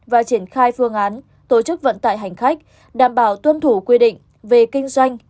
và triển khai phương án tổ chức vận tải hành khách đảm bảo tuân thủ quy định về kinh doanh